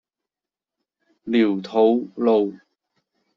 寮肚路